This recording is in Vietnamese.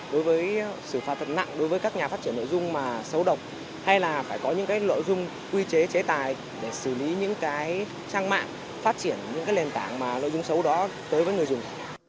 đối với xử phạt thật nặng đối với các nhà phát triển nội dung mà xấu độc hay là phải có những nội dung quy chế chế tài để xử lý những cái trang mạng phát triển những cái nền tảng mà nội dung xấu đó tới với người dùng